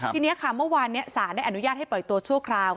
ทีนี้ค่ะเมื่อวานนี้ศาลได้อนุญาตให้ปล่อยตัวชั่วคราว